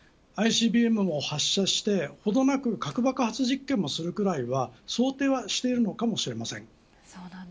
ＩＣＢＭを発射してほどなく核爆発実験もするくらいは想定はしているかもしれません。